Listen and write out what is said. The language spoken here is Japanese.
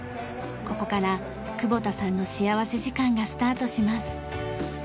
ここから窪田さんの幸福時間がスタートします。